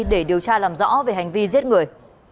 để điều tra làm rõ về hành vi giết người